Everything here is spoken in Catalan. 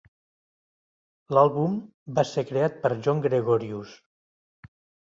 L'àlbum va ser creat per John Gregorius.